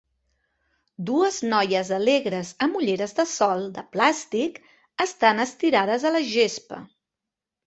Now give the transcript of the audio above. Dues noies alegres amb ulleres de sol de plàstic estan estirades a la gespa.